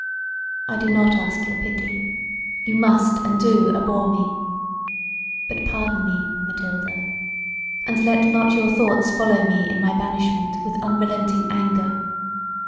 "I do not ask your pity; you must and do abhor me: but pardon me, Mathilda, and let not your thoughts follow me in my banishment with unrelenting anger.